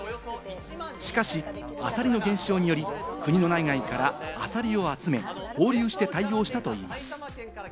しかしアサリの減少により、国の内外からアサリを集め、放流して対応したといいます。